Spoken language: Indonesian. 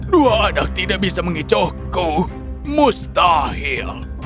dua anak tidak bisa mengicohku mustahil